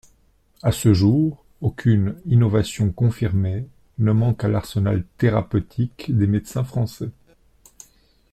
À ce jour, aucune innovation confirmée ne manque à l’arsenal thérapeutique des médecins français.